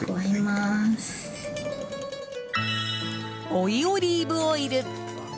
追いオリーブオイル。